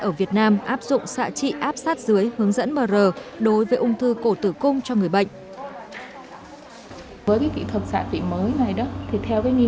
ở việt nam áp dụng xạ trị áp sát dưới hướng dẫn mr đối với ung thư cổ tử cung cho người bệnh